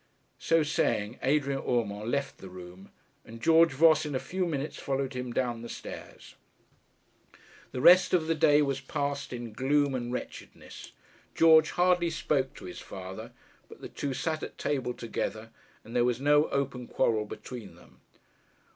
So saying, Adrian Urmand left the room, and George Voss in a few minutes followed him down the stairs. The rest of the day was passed in gloom and wretchedness. George hardly spoke to his father; but the two sat at table together, and there was no open quarrel between them.